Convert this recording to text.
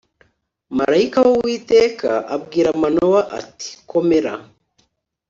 marayika w uwiteka abwira manowa ati komera